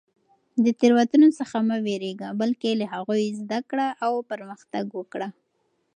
د تېروتنو څخه مه وېرېږه، بلکې له هغوی زده کړه او پرمختګ وکړه.